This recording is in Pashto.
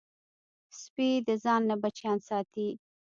سپي د ځان نه بچیان ساتي.